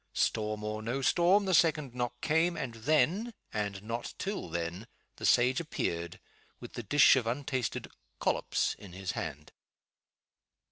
Storm or no storm, the second knock came and then, and not till then, the sage appeared, with the dish of untasted "collops" in his hand.